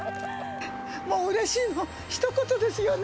もううれしいのひと言ですよね。